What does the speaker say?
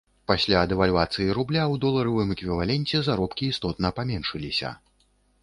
Пасля дэвальвацыі рубля, у доларавым эквіваленце заробкі істотна паменшыліся.